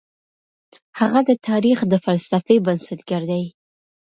هغه د تاريخ د فلسفې بنسټګر دی.